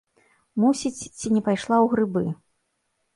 Мусіць, ці не пайшла ў грыбы.